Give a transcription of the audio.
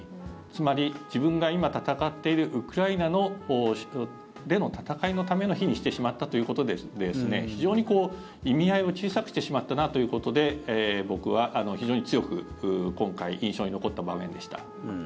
つまり、自分が今戦っているウクライナでの戦いのための日にしてしまったということで非常に意味合いを小さくしてしまったなということで僕は非常に強く今回印象に残った場面でした。